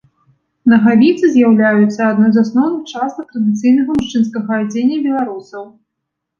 Нагавіцы з'яўляюцца адной з асноўных частак традыцыйнага мужчынскага адзення беларусаў.